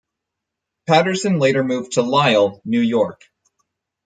Paterson later moved to Lisle, New York.